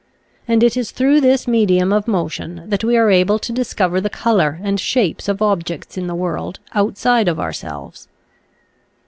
And it is through this medium of motion that we are able to discover the color and shapes of objects in the world outside of ourselves.